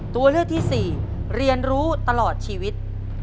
ตัวเลือกที่สี่เรียนรู้ตลอดชีวิต